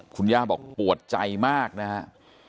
คุณย่าบอกปวดใจมากนะครับ